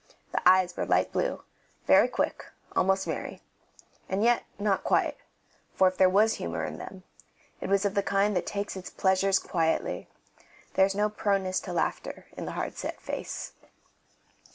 The eyes were light blue, very quick, almost merry and yet not quite, for if there was humour in them, it was of the kind that takes its pleasures quietly; there was no proneness to laughter in the hard set face.